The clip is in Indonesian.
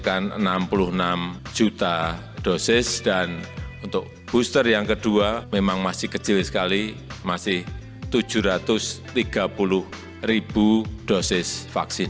kita akan enam puluh enam juta dosis dan untuk booster yang kedua memang masih kecil sekali masih tujuh ratus tiga puluh ribu dosis vaksin